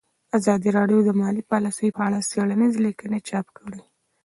ازادي راډیو د مالي پالیسي په اړه څېړنیزې لیکنې چاپ کړي.